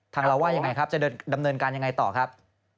เราว่ายังไงครับจะดำเนินการยังไงต่อครับ